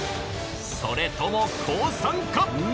それとも降参か？